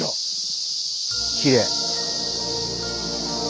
きれい！